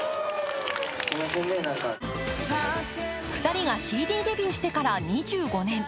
２人がＣＤデビューしてから２５年。